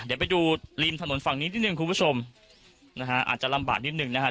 เดี๋ยวไปดูริมถนนฝั่งนี้นิดนึงคุณผู้ชมนะฮะอาจจะลำบากนิดหนึ่งนะฮะ